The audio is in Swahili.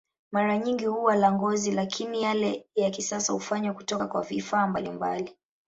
Mara nyingi huwa la ngozi, lakini yale ya kisasa hufanywa kutoka kwa vifaa mbalimbali.